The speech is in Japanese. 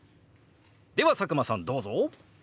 では佐久間さんどうぞ！